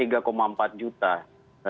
saya ingat saya yang apa namanya menjadi follower